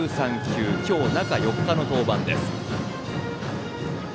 今日、中４日の登板です。